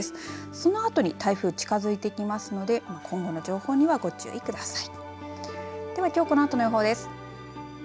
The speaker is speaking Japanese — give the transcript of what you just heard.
そのあとに台風近づいてきますので今後の情報にはご注意ください。